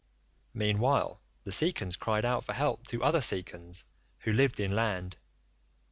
Meanwhile the Cicons cried out for help to other Cicons who lived inland.